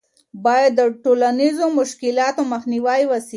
باید د ټولنیزو مشکلاتو مخنیوی وسي.